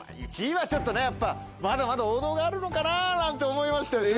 １位はちょっとねやっぱまだまだ王道があるのかななんて思いまして